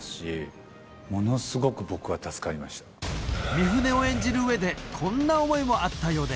ミフネを演じる上でこんな思いもあったようで